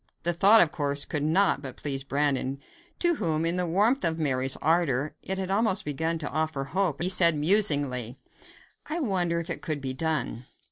The thought, of course, could not but please Brandon, to whom, in the warmth of Mary's ardor, it had almost begun to offer hope; and he said musingly: "I wonder if it could be done?